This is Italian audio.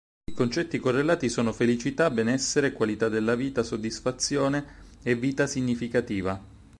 I concetti correlati sono felicità, benessere, qualità della vita, soddisfazione, e vita significativa.